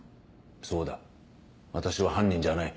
そうだ私は犯人じゃない。